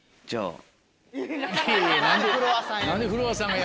じゃあ。